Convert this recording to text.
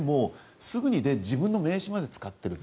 すぐに自分の名刺まで使っている。